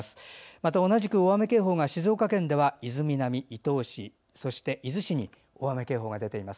また、同じく大雨警報が静岡県では伊豆南、伊東市そして伊豆市に大雨警報が出ています。